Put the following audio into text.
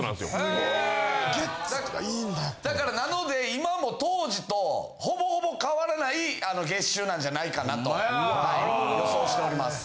・へえ・・「ゲッツ！」とかいいんだ・だからなので今も当時とほぼほぼ変わらないあの月収なんじゃないかなと予想しております。